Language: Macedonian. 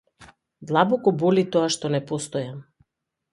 Длабоко боли тоа што не постојам.